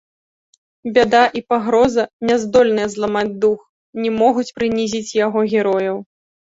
Бяда і пагроза няздольныя зламаць дух, не могуць прынізіць яго герояў.